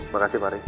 terima kasih pak ari